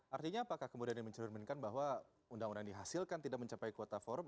artinya apakah kemudian mencurminkan bahwa undang undang dihasilkan tidak mencapai kuota forum